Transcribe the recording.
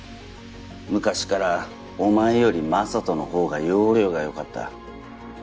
昔からお前より雅人の方が要領が良かった。